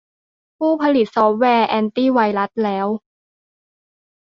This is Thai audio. ผู้ผลิตซอฟต์แวร์แอนตี้ไวรัสแล้ว